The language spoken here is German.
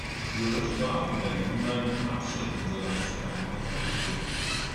Höhere Strafen werden niemanden abschrecken, solange es keine Kontrollen gibt.